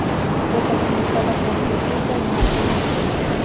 Protagonizada por Hugo Silva y Marta Nieto.